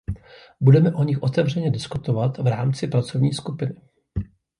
Budeme o nich otevřeně diskutovat v rámci pracovní skupiny.